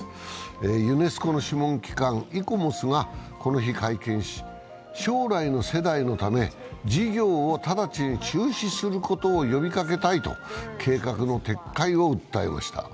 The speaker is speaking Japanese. ユネスコの諮問機関イコモスがこの日会見し、将来の世代のため、事業を直ちに中雫ことを呼びかけたいと計画の撤回を訴えました。